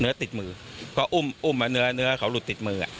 เนื้อติดมือก็อุ้มเนื้อเขาหลุดติดมือ